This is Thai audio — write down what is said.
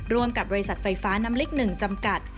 ร่วมกับบริษัทไฟฟ้าน้ำลิก๑จำกัด